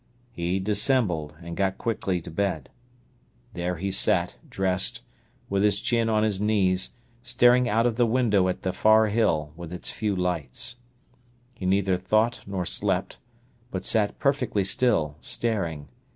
He dissembled, and got quickly to bed. There he sat, dressed, with his chin on his knees, staring out of the window at the far hill, with its few lights. He neither thought nor slept, but sat perfectly still, staring.